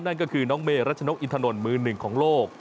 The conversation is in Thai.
นั่นก็คือน้องเมล์รัชนกอิทธานนทร์มือ๑ของโลก